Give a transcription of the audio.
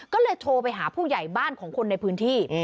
ก็เลยโทรไปหาผู้ใหญ่บ้านของคนในพื้นที่